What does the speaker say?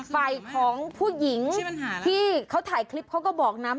ฝ่ายของผู้หญิงที่เขาถ่ายคลิปเขาก็บอกนะ